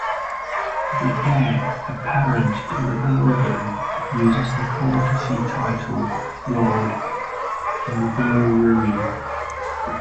The heir apparent to the earldom uses the courtesy title Lord Inverurie.